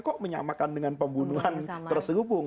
kok menyamakan dengan pembunuhan terselubung